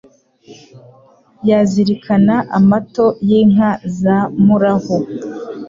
Yazirikana amato Y'inka za Murahu,